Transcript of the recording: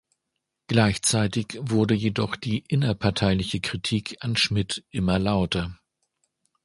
Gleichzeitig wurde jedoch die innerparteiliche Kritik an Schmidt immer lauter.